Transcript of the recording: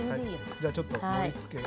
じゃあちょっと盛りつけを。